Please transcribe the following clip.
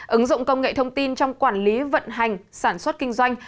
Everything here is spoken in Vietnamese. ứng dụng công nghệ thông tin trong quản lý vận hành sản xuất kinh doanh